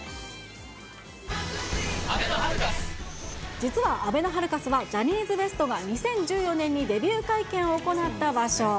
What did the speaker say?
実はあべのハルカスは、ジャニーズＷＥＳＴが２０１４年にデビュー会見を行った場所。